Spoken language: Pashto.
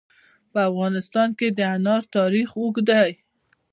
په افغانستان کې د انار تاریخ اوږد دی.